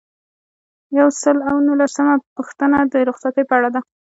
یو سل او نولسمه پوښتنه د رخصتیو په اړه ده.